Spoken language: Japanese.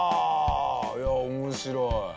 いや面白い。